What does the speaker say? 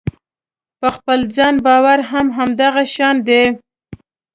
په خپل ځان باور هم همدغه شان دی.